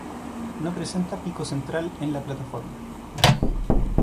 No presenta pico central en la plataforma.